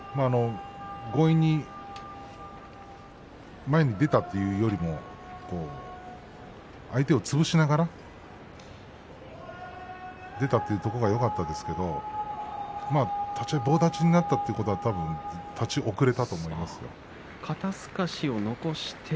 強引に前に出たというよりも相手を潰しながら出たというところがよかったですけれど立ち合い、棒立ちになったということはたぶん立ち遅れたと思います。